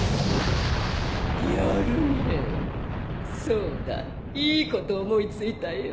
そうだいいこと思い付いたよ。